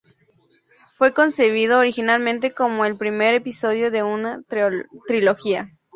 Fue concebido originalmente como el primer episodio de una trilogía.